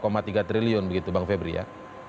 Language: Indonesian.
yang dua tiga triliun begitu bang febriya